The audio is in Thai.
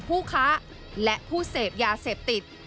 ผู้ค้าและผู้เสพยาเสพติด